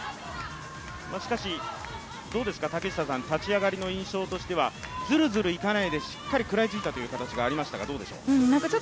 立ち上がりの印象としては、ずるずるいかないでしっかり食らいついたという形がありましたがどうでしょう。